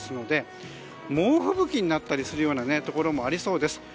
猛吹雪になったりするようなところもありそうです。